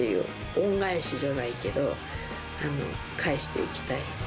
恩返しじゃないけど、返していきたい。